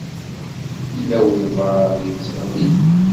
Yella walebɛaḍ i yettɣennin.